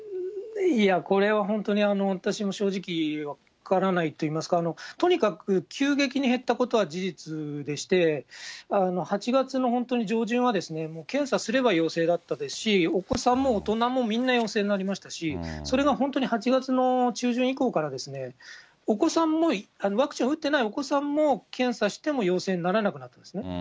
いや、これは本当に私も正直分からないといいますか、とにかく急激に減ったことは事実でして、８月の、本当に上旬は、検査すれば陽性だったですし、お子さんも大人もみんな陽性になりましたし、それが本当に８月の中旬以降から、お子さんも、ワクチンを打っていないお子さんも、検査しても陽性にならなくなったんですね。